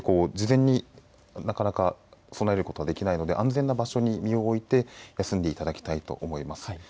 まず、やはり地震なので事前になかなか備えることができないので安全な場所に身を置いて休んでいただきたいと思います。